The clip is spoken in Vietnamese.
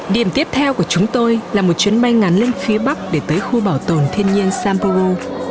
điểm tiếp theo của chúng tôi là một chuyến bay ngắn lên phía bắc để tới khu bảo tồn thiên nhiên sampow